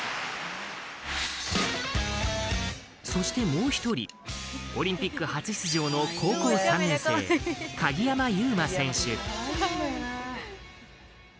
そしてもう１人オリンピック初出場の高校３年生鍵山優真選手。